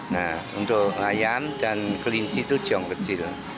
nah untuk ayam dan kelinci itu tiong kecil